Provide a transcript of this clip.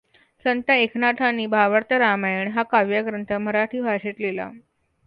संत एकना्थांनी भावार्थ रामायण हा काव्यग्रंथ मराठी भाषेत लिहिला.